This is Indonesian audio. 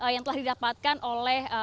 yang telah didapatkan oleh